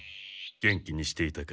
元気にしていたか？